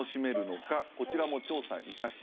こちらも調査いたしました。